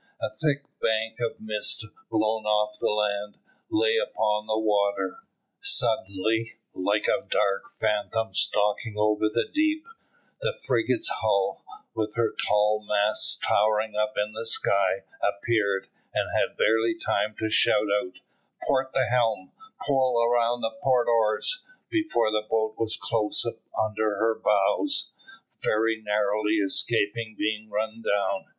A thick bank of mist, blown off the land, lay upon the water. Suddenly, like a dark phantom stalking over the deep, the frigate's hull, with her tall masts towering up into the sky, appeared, and he had barely time to shout out, "Port the helm, pull round the port oars," before the boat was close under her bows, very narrowly escaping being run down.